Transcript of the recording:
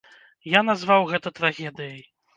Я назваў гэта трагедыяй.